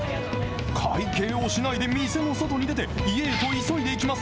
会計をしないで店の外に出て、家へと急いでいきます。